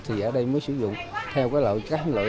thì ở đây mới sử dụng theo cái lội cách